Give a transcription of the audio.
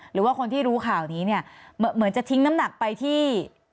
หรือว่าคนที่รู้ข่าวนี้เนี่ยเหมือนจะทิ้งน้ำหนักไปที่